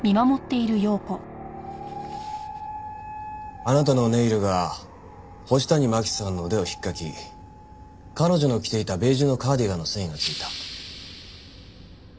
あなたのネイルが星谷真輝さんの腕をひっかき彼女の着ていたベージュのカーディガンの繊維が付いた。